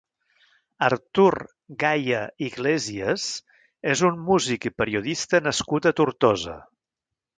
Artur Gaya Iglesias és un músic i periodista nascut a Tortosa.